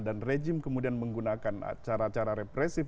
dan rejim kemudian menggunakan cara cara represif